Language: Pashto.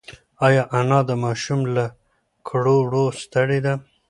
ایا انا د ماشوم له کړو وړو ستړې ده؟